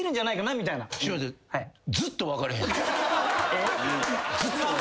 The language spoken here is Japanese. えっ。